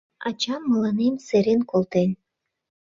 Ачам мыланем серен колтен.